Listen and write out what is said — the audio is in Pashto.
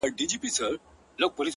هغه به چيري وي-